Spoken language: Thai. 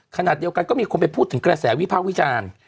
ขณะเดียวกันก็มีคนไปพูดถึงกระแสวิพากษ์วิจารณ์